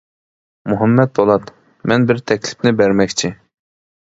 مۇھەممەت پولات: مەن بىر تەكلىپنى بەرمەكچى.